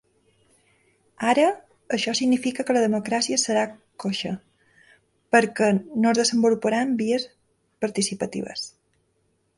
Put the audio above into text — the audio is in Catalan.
Ara, això significa que la democràcia serà coixa, perquè no es desenvoluparan vies participatives.